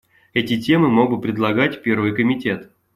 Эти темы мог бы предлагать Первый комитет.